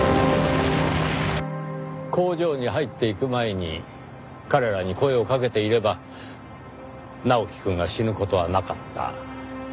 工場に入っていく前に彼らに声をかけていれば直樹くんが死ぬ事はなかった。